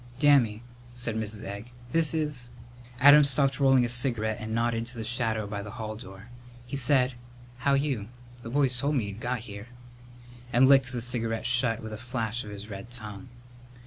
"Dammy," said Mrs. Egg, "this is " Adam stopped rolling a cigarette and nodded to the shadow by the hall door. He said, "How you? The boys told me you'd got here," and licked the cigarette shut with a flash of his red tongue.